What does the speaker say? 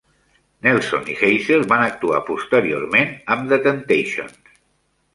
Nelson i Hazel van actuar posteriorment amb The Temptations.